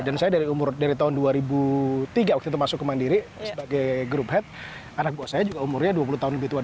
dan saya dari tahun dua ribu tiga waktu itu masuk ke mandiri sebagai group head anak saya juga umurnya dua puluh tahun lebih tua dari saya ada